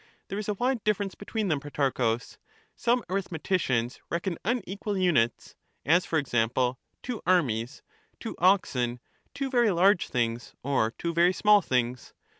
There is a wide difference between them, Protarchus; some arithmeticians reckon unequal units; as for example, two armies, two oxen, two very large things or two very small things.